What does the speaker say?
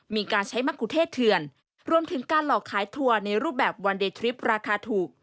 มีการใช้มะกุเทศเถื่อนรวมถึงการหลอกขายทัวร์ในรูปแบบวันเดย์ทริปราคาถูก